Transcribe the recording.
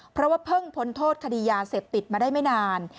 เพราะว่าเพิ่งพ้นโทษคดียาเสพติดมาได้ไม่นาน